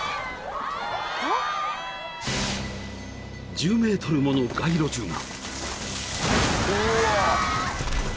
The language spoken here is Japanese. ［１０ｍもの街路樹が］